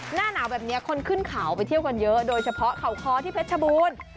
หน้าหนาวแบบนี้คนขึ้นเขาไปเที่ยวกันเยอะโดยเฉพาะเขาคอที่เพชรชบูรณ์